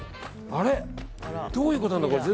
あれ、どういうことなんだ？